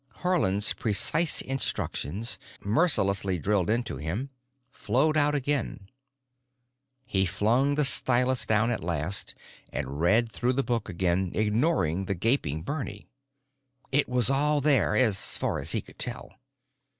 Haarland's precise instructions, mercilessly drilled into him, flowed out again. He flung the stylus down at last and read through the book again, ignoring the gaping Bernie. It was all there, as far as he could tell.